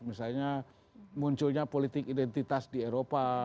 misalnya munculnya politik identitas di eropa